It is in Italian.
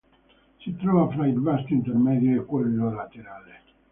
Si trova fra il vasto intermedio e quello laterale.